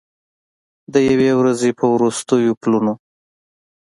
د یوې ورځې په وروستیو پلونو